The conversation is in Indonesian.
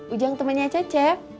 ujang temennya cecep